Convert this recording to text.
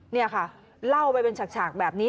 นี่ค่ะเล่าไปเป็นฉากแบบนี้